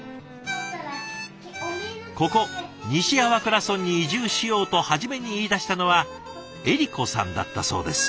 ここ西粟倉村に移住しようと初めに言いだしたのはえり子さんだったそうです。